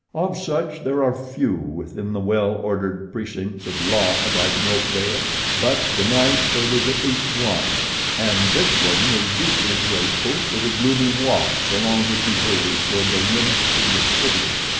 Of such there are few within the well ordered precincts of law abiding Oakdale; but to night there was at least one and this one was deeply grateful for the gloomy walks along which he hurried toward the limits of the city.